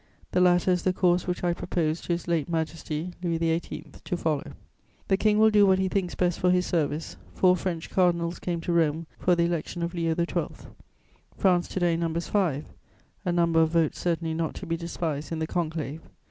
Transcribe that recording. The latter is the course which I proposed to His late Majesty, Louis XVIII., to follow. The King will do what he thinks best for his service. Four French cardinals came to Rome for the election of Leo XII. France to day numbers five; a number of votes certainly not to be despised in the Conclave.